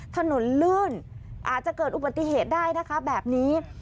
ถนนลื่นอาจจะเกิดอุบัติเหตุได้นะคะแบบนี้